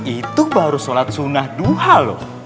itu baru sholat sunnah duha loh